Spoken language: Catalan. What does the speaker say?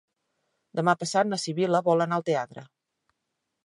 Demà passat na Sibil·la vol anar al teatre.